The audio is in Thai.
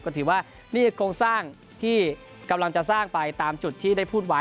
ก็ถือว่านี่คือโครงสร้างที่กำลังจะสร้างไปตามจุดที่ได้พูดไว้